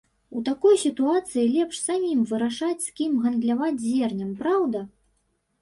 У такой сітуацыі лепш самім вырашаць, з кім гандляваць зернем, праўда?